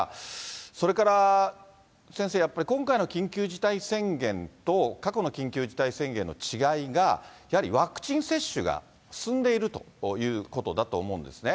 それから先生、やっぱり今回の緊急事態宣言と、過去の緊急事態宣言の違いが、やはりワクチン接種が進んでいるということだと思うんですね。